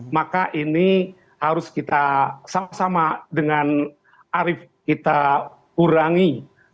maka ini harus kita sama sama dengan arief kita kurangi